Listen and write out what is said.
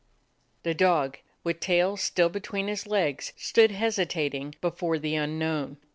The dog, with tail still between his legs, stood hesitating before the unknown.